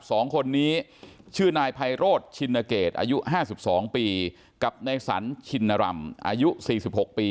ของคนนี้ชื่อนายไพโรทชินเกรดอายุ๕๒ปีกับนายสรรภ์ชินรรมอายุ๔๖ปี